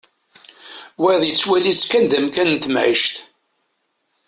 Wayeḍ yettwali-tt kan d amkan n temɛict.